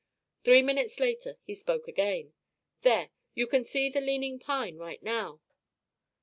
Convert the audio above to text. Three minutes later he spoke again. "There, you can see the leaning pine right now.